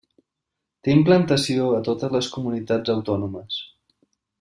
Té implantació a totes les comunitats autònomes.